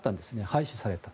廃止された。